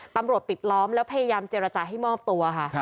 ปำรวจติดล้อมและพยายามเจรจาให้มอบตัวค่ะ